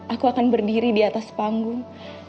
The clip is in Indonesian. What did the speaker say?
aku akan berdiri di atas panggung